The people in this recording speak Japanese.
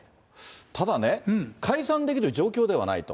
ただね、解散できる状況ではないと。